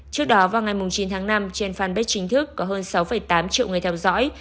trước đó vào ngày chín tháng năm trên fanpage chính thức có hơn sáu tám triệu người theo dõi